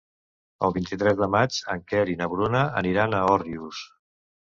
El vint-i-tres de maig en Quer i na Bruna aniran a Òrrius.